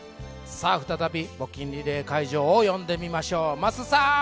さあ、再び募金リレー会場を呼んでみましょう。